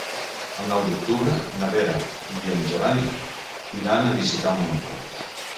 El nou d'octubre na Vera i en Gerai iran a visitar mon oncle.